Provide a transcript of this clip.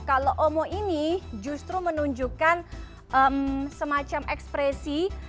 kalau omo ini justru menunjukkan semacam ekspresi